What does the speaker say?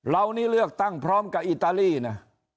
เรานี่เลือกตั้งพร้อมกับอิตาลีนะ